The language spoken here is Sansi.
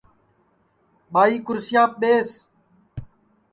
ٻائی کُرسیاپ ٻیس